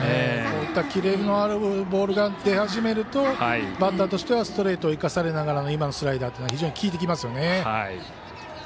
キレのあるボールが出始めるとバッターとしてはストレートを生かされながら今のスライダーというのは非常に効いてきます。